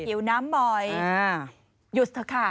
หิวน้ำบ่อยหยุดเถอะค่ะ